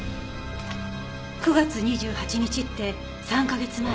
９月２８日って３カ月前。